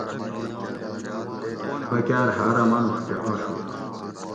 بکاۤر ھار اۤ ماۤنوڄ کہ آشو